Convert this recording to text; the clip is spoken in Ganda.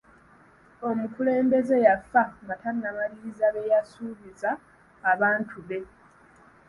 Omukulembeze yafa nga tannamaliriza bye yasuubiza bantu be.